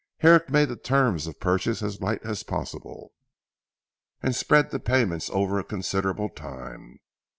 Herrick made the terms of purchase as light as possible, and spread the payment over a considerable time.